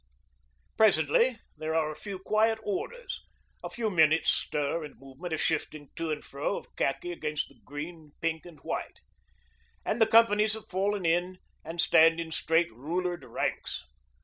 Presently there are a few quiet orders, a few minutes' stir and movement, a shifting to and fro of khaki against the green and pink and white ... and the companies have fallen in and stand in straight rulered ranks.